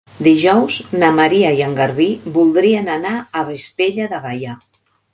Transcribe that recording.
Dijous na Maria i en Garbí voldrien anar a Vespella de Gaià.